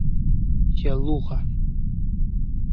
— Sheluxa.